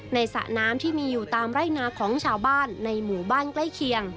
สระน้ำที่มีอยู่ตามไร่นาของชาวบ้านในหมู่บ้านใกล้เคียง